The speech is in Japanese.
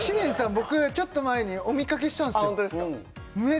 僕ちょっと前にお見かけしたんですよあっ